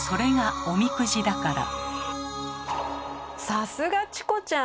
さすがチコちゃん！